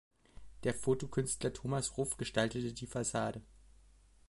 Der Fotokünstler Thomas Ruff gestaltete die Fassade.